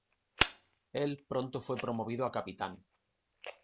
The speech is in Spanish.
El pronto fue promovido a capitán.